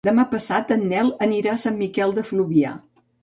Demà passat en Nel anirà a Sant Miquel de Fluvià.